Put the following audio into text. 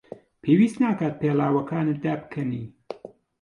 پێویست ناکات پێڵاوەکانت دابکەنی.